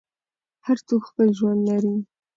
هر څوک خپل ژوند لري.